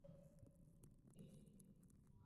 叙伊兹河畔讷伊。